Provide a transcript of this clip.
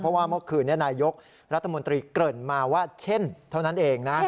เพราะว่าเมื่อคืนนี้นายกรัฐมนตรีเกริ่นมาว่าเช่นเท่านั้นเองนะ